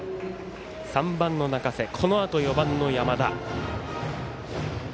３番の中瀬、このあと４番の山田。